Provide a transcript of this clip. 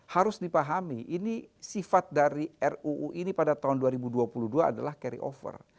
harus dipahami ini sifat dari ruu ini pada tahun dua ribu dua puluh dua adalah carry over